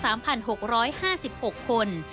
และมีอุบัติเหตุสะสม๓๔๔๗ครั้ง